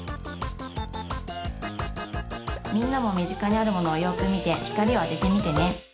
みんなもみぢかにあるものをよくみてひかりをあててみてね。